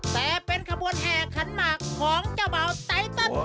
แต่เป็นขบวนแห่ขันหมากของเจ้าบ่าวไตตัน